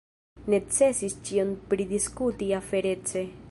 Necesis ĉion pridiskuti aferece.